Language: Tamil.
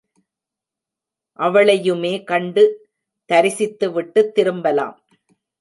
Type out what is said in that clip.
அவளையுமே கண்டு தரிசித்து விட்டுத் திரும்பலாம்.